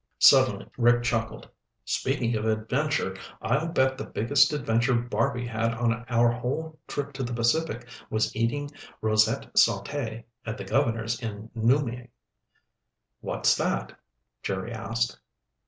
Suddenly Rick chuckled. "Speaking of adventure, I'll bet the biggest adventure Barby had on our whole trip to the Pacific was eating rosette sauté at the governor's in Noumea." "What's that?" Jerry asked.